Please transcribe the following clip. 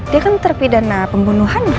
dia kan terpidana pembunuhan